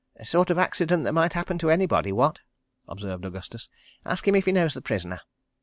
"Sort of accident that might happen to anybody, what?" observed Augustus. "Ask him if he knows the prisoner."